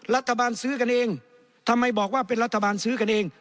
รัฐบาลซื้อกันเองทำไมบอกว่าเป็นรัฐบาลซื้อกันเอง